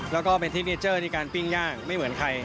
แล้วก็เป็นที่เนเจอร์ในการปิ้งย่างไม่เหมือนใคร